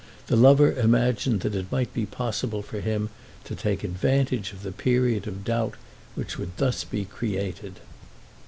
The lover imagined that it might be possible for him to take advantage of the period of doubt which would thus be created.